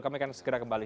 kami akan segera kembali